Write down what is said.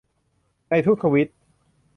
ในทุกทวีต